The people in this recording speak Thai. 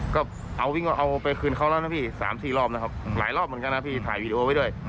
ก็เอาไปคืนเขาแล้วนะพี่๓๔รอบนะครับหลายรอบเหมือนกันนะพี่ถ่ายวีดีโอไว้ด้วย